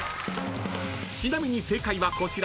［ちなみに正解はこちら］